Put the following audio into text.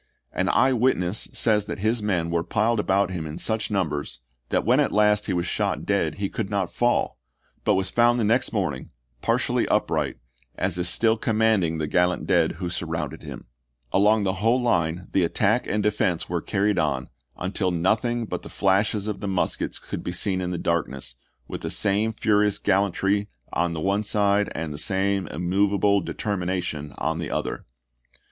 An eye witness says that his men were piled about him in such numbers that when at last Cox> he was shot dead he could not fall, but was found "FrS.alm the next morning, partially upright, as if still com Naph95le'' manding the gallant dead who surrounded him. FRANKLIN AND NASHVILLE 21 Along the whole line the attack and defense were chap. i. carried on, until nothing but the flashes of the Nov.3o,i86i. muskets could be seen in the darkness, with the same furious gallantry on the one side and the same immovable determination on the other.